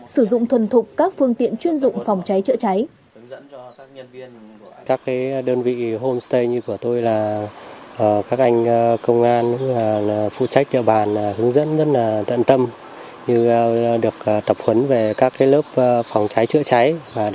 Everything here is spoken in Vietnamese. sử dụng thuần thục các phương tiện chuyên dụng phòng cháy chữa cháy